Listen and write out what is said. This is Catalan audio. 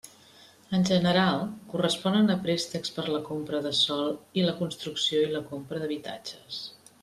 En general corresponen a préstecs per a la compra de sòl i la construcció i la compra d'habitatges.